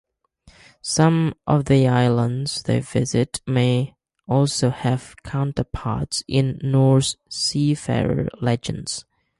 Some of the islands they visit may also have counterparts in Norse seafarer legends.